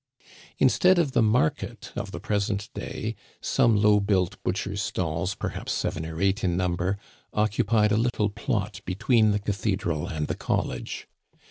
Instead of the market of the present day, some low built butchers' stalls, perhaps seven or eight in number, occupied a little plot between the cathedral and the Digitized by VjOOQIC LEAVING COLLEGE. 13 college.